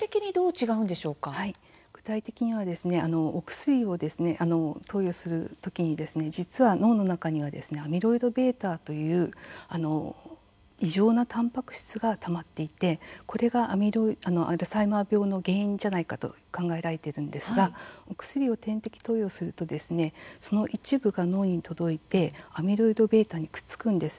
具体的にはお薬を投与するときに、実は脳の中にはアミロイドβという異常なたんぱく質がたまっていて、これがアルツハイマー病の原因ではないかと考えられているんですが薬を点滴投与するとその一部が脳に届いてアミロイドβにくっつくんです。